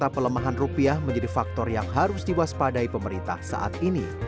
pelemahan rupiah menjadi faktor yang harus diwaspadai pemerintah saat ini